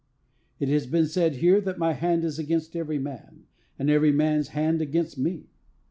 "It has been said here, that my hand is against every man, and every man's hand against me.